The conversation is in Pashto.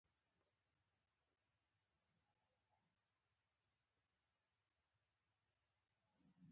له زر دوه سوه اتیا کال وروسته کورنیو تایید ته اړتیا نه لرله.